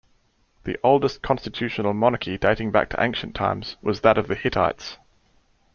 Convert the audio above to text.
The oldest constitutional monarchy dating back to ancient times was that of the Hittites.